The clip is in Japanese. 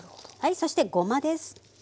そしてごまです。